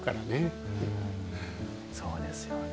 そうですよね。